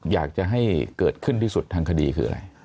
อยากจะให้เกิดขึ้นที่สุดทางคดีคืออะไร